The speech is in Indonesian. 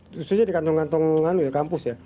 khususnya di kantong kantong kampus ya